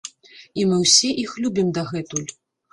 І мы ўсе іх любім дагэтуль.